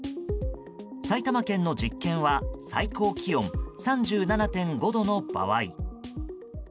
埼玉県の実験は最高気温３７．５度の場合。